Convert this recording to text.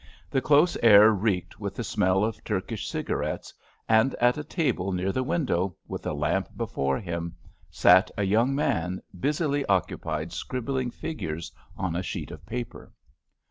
The close air reeked with the smell of Turkish cigarettes, and at a table near the window, with a lamp before him, sat a young man, busily occupied scribbling figures on a sheet of paper.